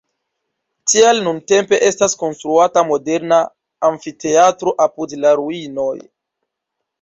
Tial nuntempe estas konstruata moderna amfiteatro apud la ruinoj.